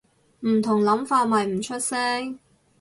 唔同諗法咪唔出聲